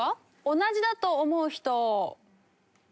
同じだと思う人？